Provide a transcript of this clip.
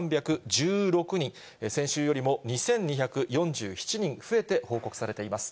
６３１６人、先週よりも２２４７人増えて報告されています。